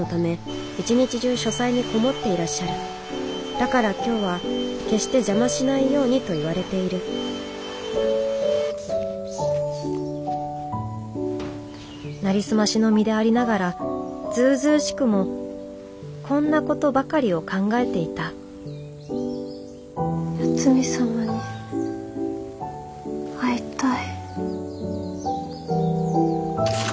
だから今日は決して邪魔しないようにと言われているなりすましの身でありながらずうずうしくもこんなことばかりを考えていた八海サマに会いたい。